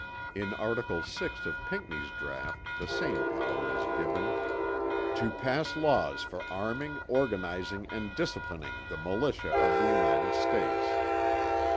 In article 6 of Pinckney's draught the same power is given: "To pass laws for arming organizing and disciplining the militia of the United States."